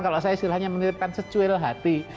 kalau saya istilahnya menitipkan secuil hati